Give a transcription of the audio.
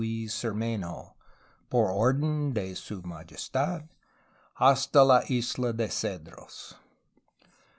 Cermenho, por orden de su magestad, hasta la Isla de Cedros.